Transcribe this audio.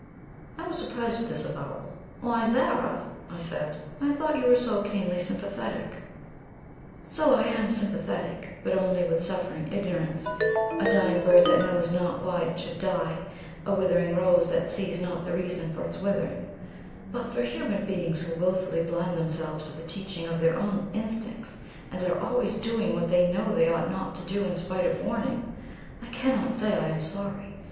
I was surprised at this avowal. "Why, Zara," I said, "I thought you were so keenly sympathetic?" "So I am sympathetic, but only with suffering ignorance a dying bird that knows not why it should die a withering rose that sees not the reason for its withering; but for human beings who wilfully blind themselves to the teachings of their own instincts, and are always doing what they know they ought not to do in spite of warning, I cannot say I am sorry.